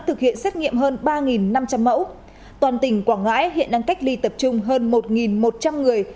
thực hiện xét nghiệm hơn ba năm trăm linh mẫu toàn tỉnh quảng ngãi hiện đang cách ly tập trung hơn một một trăm linh người